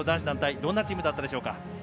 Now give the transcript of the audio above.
どんなチームだったでしょうか。